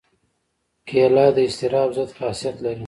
کېله د اضطراب ضد خاصیت لري.